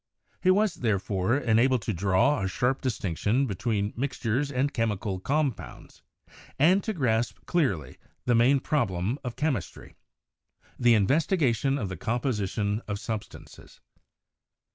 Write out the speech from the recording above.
He was, therefore, enabled to draw a sharp distinction between mixtures and chemical compounds, and to grasp clearly the main prob lem of chemistry — the investigation of the composition of substances.